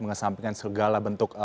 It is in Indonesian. mengesampingkan segala bentuk